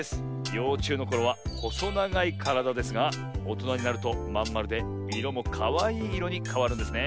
ようちゅうのころはほそながいからだですがおとなになるとまんまるでいろもかわいいいろにかわるんですね。